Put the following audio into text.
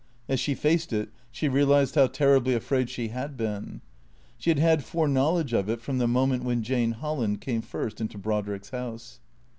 As she faced it she realized how terribly afraid she had been. She had had foreknowledge of it from the moment when Jane Holland came first into Brodrick's house.